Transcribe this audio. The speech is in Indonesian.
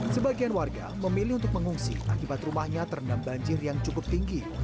sebagian warga memilih untuk mengungsi akibat rumahnya terendam banjir yang cukup tinggi